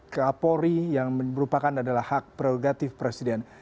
ke apori yang merupakan adalah hak prerogatif presiden